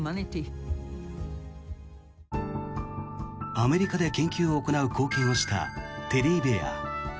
アメリカで研究を行う貢献をしたテディベア。